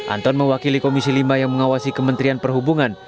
anton mewakili komisi lima yang mengawasi kementerian perhubungan